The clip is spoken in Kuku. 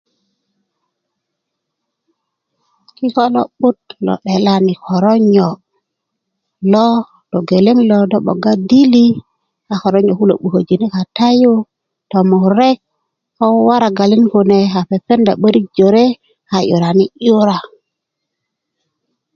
kiko' lo'but lo 'delani koronyo' lo togeleŋ do 'bogga dili a koronyo kulo 'buköjini kata yu tomurek ko waragalin kune a pependa 'börik jore a 'yurani' 'yura